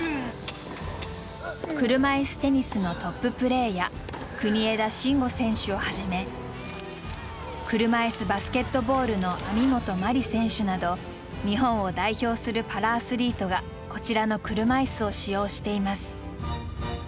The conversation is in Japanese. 車いすテニスのトッププレーヤー国枝慎吾選手をはじめ車いすバスケットボールの網本麻里選手など日本を代表するパラアスリートがこちらの車いすを使用しています。